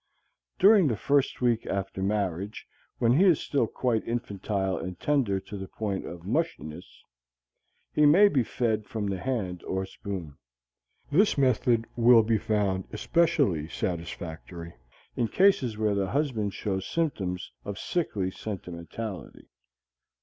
During the first week after marriage, when he is still quite infantile and tender to the point of mushiness, he may be fed from the hand or spoon. This method will be found especially satisfactory in cases where the husband shows symptoms of sickly sentimentality.